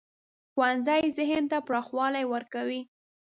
ښوونځی ذهن ته پراخوالی ورکوي